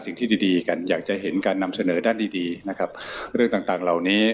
สิ่งที่ดีดีกันอยากจะเห็นการนำเสนอด้านดีดีนะครับเรื่องต่างต่างเหล่านี้